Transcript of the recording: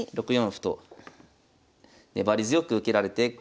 ６四歩と粘り強く受けられて。